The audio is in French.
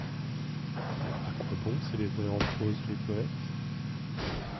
-A quoi bon célébrer en prose les poètes ?